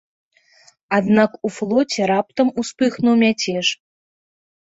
Аднак у флоце раптам успыхнуў мяцеж.